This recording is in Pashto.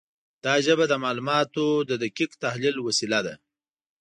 دا ژبه د معلوماتو د دقیق تحلیل وسیله ده.